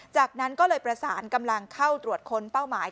จากนั้นก็เลยประสานกำลังเข้าตรวจค้นเป้าหมาย